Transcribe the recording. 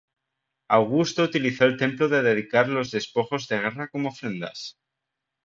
Augusto utilizó el templo de dedicar los despojos de guerra como ofrendas.